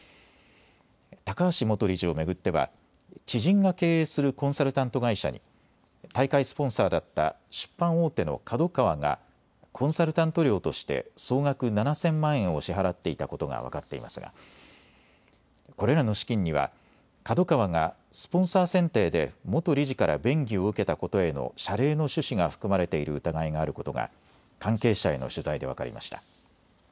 高橋元理事を巡っては知人が経営するコンサルタント会社に大会スポンサーだった出版大手のＫＡＤＯＫＡＷＡがコンサルタント料として総額７０００万円を支払っていたことが分かっていますがこれらの資金にはＫＡＤＯＫＡＷＡがスポンサー選定で元理事から便宜を受けたことへの謝礼の趣旨が含まれている疑いがあることが関係者への取材で分かりました。